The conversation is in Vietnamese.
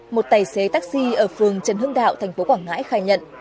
một tài xế taxi ở phường trần hưng đạo thành phố quảng ngãi khai nhận